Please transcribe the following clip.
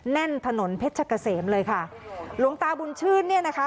แน่นถนนเพชรกะเสมเลยค่ะหลวงตาบุญชื่นเนี่ยนะคะ